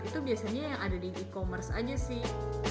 itu biasanya yang ada di e commerce aja sih